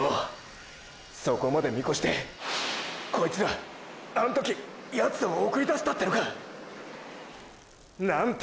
そこまで見越してーーこいつらあん時ヤツを送り出したてのか！！なんて